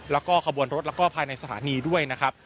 แล้วก็ขบวนรถแล้วก็ภายในสถานีด้วยนะครับ